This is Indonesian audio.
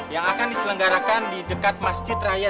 yang akan diselenggarakan di dekat masjid raya